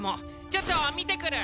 ちょっと見てくる。